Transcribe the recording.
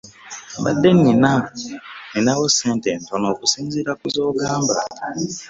Mbadde nina wo sssente ntono okusinzira ku zongamba.